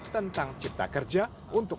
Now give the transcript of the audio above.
tentang cipta kerja untuk